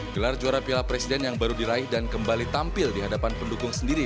gelar juara piala presiden yang baru diraih dan kembali tampil di hadapan pendukung sendiri